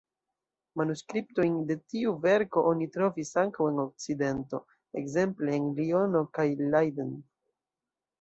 Manuskriptojn de tiu verko oni trovis ankaŭ en Okcidento, ekzemple en Liono kaj Leiden.